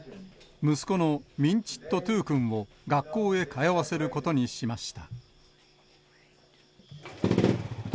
息子のミン・チット・トゥー君を学校へ通わせることにしました。